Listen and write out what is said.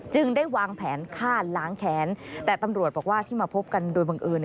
ได้วางแผนฆ่าล้างแขนแต่ตำรวจบอกว่าที่มาพบกันโดยบังเอิญ